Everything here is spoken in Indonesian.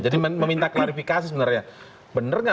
jadi meminta klarifikasi sebenarnya